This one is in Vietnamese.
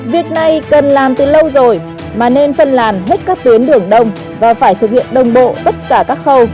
việc này cần làm từ lâu rồi mà nên phân làn hết các tuyến đường đông và phải thực hiện đồng bộ tất cả các khâu